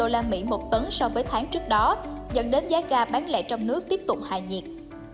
usd một tấn so với tháng trước đó dẫn đến giá ga bán lẻ trong nước tiếp tục hạ nhiệt